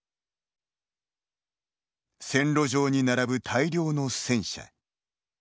線路上に並ぶ大量の戦車。